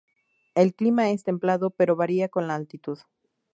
El clima es templado, pero varía con la altitud.